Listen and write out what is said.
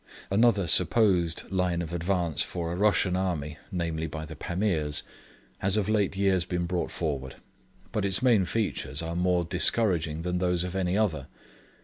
Another supposed line of advance for a Russian army, namely by the Pamirs, has of late years been brought forward; but its main features are more discouraging than those of any other.